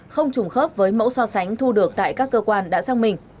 không trùng khớp với mẫu so sánh thu được tại các cơ quan đã sang mình